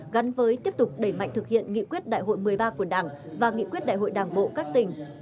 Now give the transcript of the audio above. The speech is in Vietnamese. gắn với tiếp tục đẩy mạnh thực hiện nghị quyết đại hội một mươi ba của đảng và nghị quyết đại hội đảng bộ các tỉnh